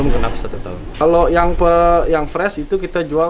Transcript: kalau yang fresh itu kita jual